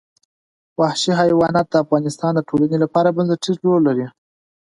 وحشي حیوانات د افغانستان د ټولنې لپاره بنسټيز رول لري.